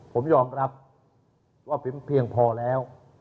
ผมยอมรับว่าผมเพียงพอแล้ว